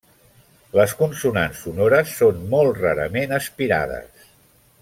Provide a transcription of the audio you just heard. Les consonants sonores són molt rarament aspirades.